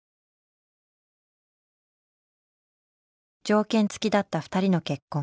条件付きだった２人の結婚。